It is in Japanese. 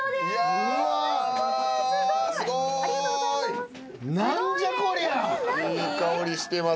すごい！